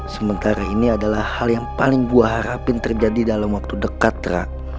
sementara ini adalah hal yang paling buah harapin terjadi dalam waktu dekat trak